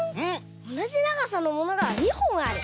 おなじながさのものが２ほんある。